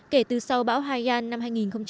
kể từ sau bão haiyan năm hai nghìn một mươi bốn